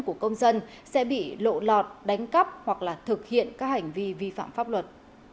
của công dân sẽ bị lộ lọt đánh cắp hoặc là thực hiện các hành vi vi phạm pháp luật